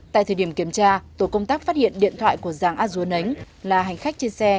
tại thời điểm kiểm tra tổ công tác phát hiện điện thoại của giang a dua nánh là hành khách trên xe